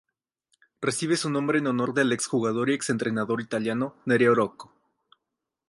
Recibe su nombre en honor del ex-jugador y ex-entrenador italiano Nereo Rocco.